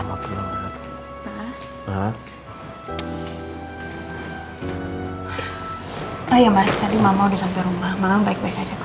mama baik baik aja kok